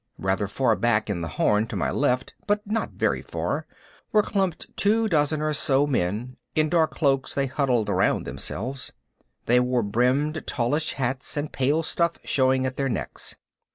Rather far back in the horn to my left, but not very far, were clumped two dozen or so men in dark cloaks they huddled around themselves. They wore brimmed tallish hats and pale stuff showing at their necks.